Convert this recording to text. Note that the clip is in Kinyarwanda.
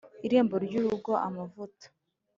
Irembo ry urugo Amavuta